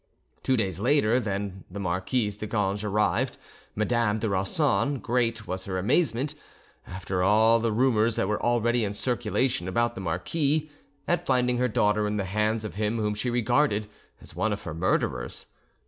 Two days later than the Marquis de Ganges arrived Madame de Rossan great was her amazement, after all the rumours that were already in circulation about the marquis, at finding her daughter in the hands of him whom she regarded as one of her murderers.